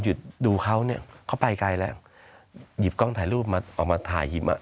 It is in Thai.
ดูเขาเนี่ยเขาไปไกลแล้วหยิบกล้องถ่ายรูปมาออกมาถ่ายหิมอ่ะ